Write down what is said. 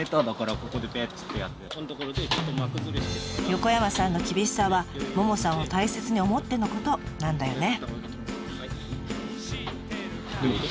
横山さんの厳しさはももさんを大切に思ってのことなんだよね。